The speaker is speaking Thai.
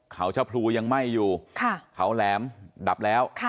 เขาชะพรูยังไหม้อยู่เขาแหลมดับแล้ว